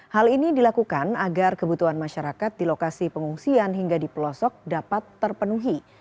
hal ini dilakukan agar kebutuhan masyarakat di lokasi pengungsian hingga di pelosok dapat terpenuhi